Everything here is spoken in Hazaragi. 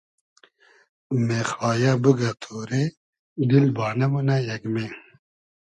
مېخایۂ بوگۂ تۉرې دیل بانۂ مونۂ یئگمې